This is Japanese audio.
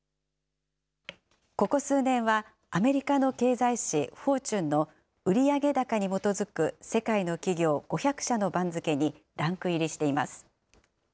ここ数年は、アメリカの経済誌、フォーチュンの売上高に基づく世界の企業５００社の番付にランク入りしています。